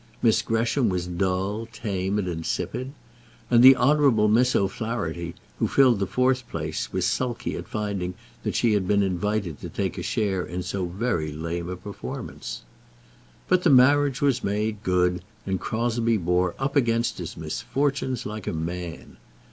Miss Gresham was dull, tame, and insipid; and the Honourable Miss O'Flaherty, who filled the fourth place, was sulky at finding that she had been invited to take a share in so very lame a performance. But the marriage was made good, and Crosbie bore up against his misfortunes like a man.